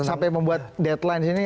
sampai membuat deadline sini